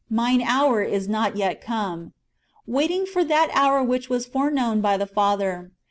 mine hour is not yet come"^ — waiting for that hour which was foreknown by the Father.